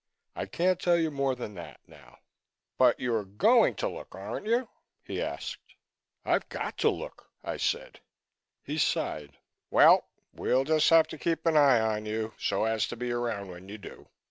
I can't tell you more than that now." "But you're going to look, aren't you?" he asked. "I've got to look," I said. He sighed. "Well, we'll just have to keep an eye on you so as to be around when you do.